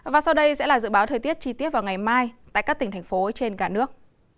và sau đây sẽ là dự báo thời tiết chi tiết vào ngày mai tại các tỉnh thành phố trên cả nước